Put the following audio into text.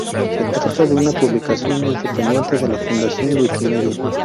Se trata de una publicación independiente de la Fundación Wikimedia.